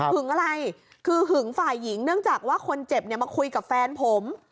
อะไรคือหึงฝ่ายหญิงเนื่องจากว่าคนเจ็บเนี่ยมาคุยกับแฟนผม